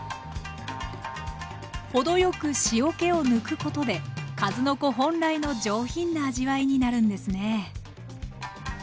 ほどよく塩けを抜くことで数の子本来の上品な味わいになるんですね。